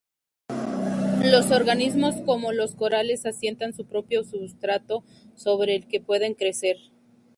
Los organismos como los corales asientan su propio substrato sobre el que pueden crecer.